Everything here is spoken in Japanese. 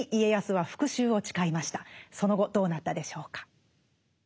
その後どうなったでしょうか？